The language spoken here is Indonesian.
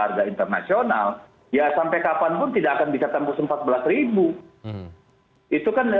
harga internasional ya sampai kapanpun tidak akan bisa tembus empat belas itu kan